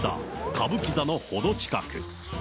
歌舞伎座の程近く。